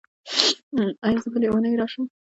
ایا زه بلې اونۍ راشم؟